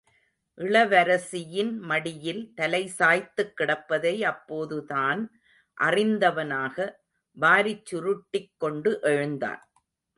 இளவரசியின் மடியில் தலை சாய்த்துக் கிடப்பதை அப்போதுதான் அறிந்தவனாக, வாரிச் சுருட்டிக் கொண்டு எழுந்தான்.